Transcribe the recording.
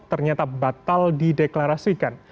ternyata batal dideklarasikan